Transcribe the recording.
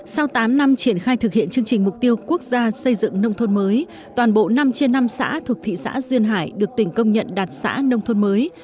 sau tám năm triển khai thực hiện chương trình mục tiêu quốc gia xây dựng nông thôn mới toàn bộ năm trên năm xã thuộc thị xã duyên hải được tỉnh công nhận đạt xã nông thôn mới